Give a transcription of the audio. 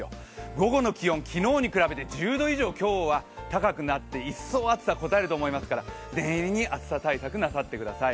午後の気温、昨日に比べて１０度以上、今日は高くなって一層暑さがこたえると思いますから念入りに暑さ対策をなさってください。